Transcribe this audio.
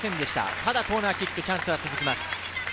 ただコーナーキック、チャンスは続きます。